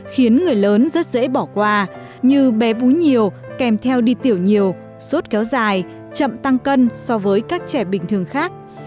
khiến người lớn rất dễ bỏ qua như bé bú nhiều kèm theo đi tiểu nhiều sốt kéo dài chậm tăng cân so với các trẻ bình thường khác